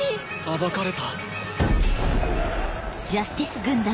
暴かれた。